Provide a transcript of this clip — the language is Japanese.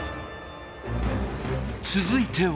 続いては。